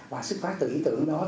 và sức phát từ ý tưởng đó